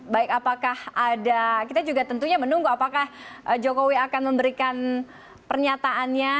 baik apakah ada kita juga tentunya menunggu apakah jokowi akan memberikan pernyataannya